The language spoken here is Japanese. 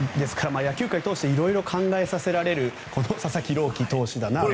野球界通していろいろ考えさせられる佐々木朗希投手だなと。